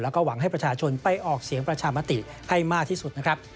แล้วก็หวังให้ประชาชนไปออกเสียงประชามติให้มากที่สุดนะครับ